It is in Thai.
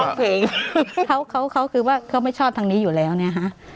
เพลงเขาเขาคือว่าเขาไม่ชอบทางนี้อยู่แล้วเนี่ยฮะ